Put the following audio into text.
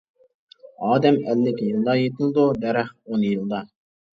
ئادەم ئەللىك يىلدا يېتىلىدۇ، دەرەخ ئون يىلدا.